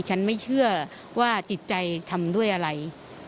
ฉันไม่เชื่อว่าจิตใจทำด้วยอะไร